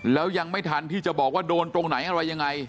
แล้วยังไม่ทันที่จะบอกว่าโดนตรงไหนอะไรยังไง